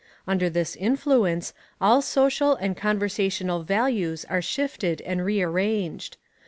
Under this influence all social and conversational values are shifted and rearranged.